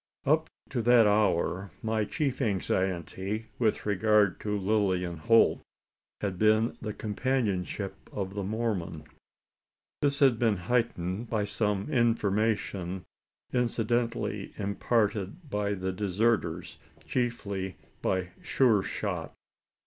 Up to that hour, my chief anxiety with regard to Lilian Holt had been the companionship of the Mormon. This had been heightened by some information incidentally imparted by the deserters chiefly by Sure shot.